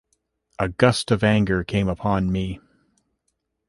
A gust of anger came upon me.